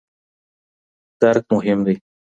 درک مهم دی.